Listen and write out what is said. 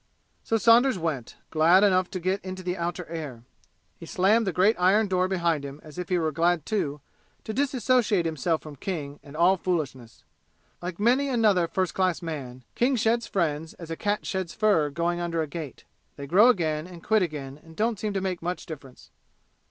So Saunders went, glad enough to get into the outer air. He slammed the great iron door behind him as if he were glad, too, to disassociate himself from King and all foolishness. Like many another first class man, King sheds friends as a cat sheds fur going under a gate. They grow again and quit again and don't seem to make much difference.